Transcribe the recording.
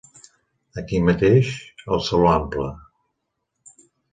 Aquí mateix, al Saló Ample.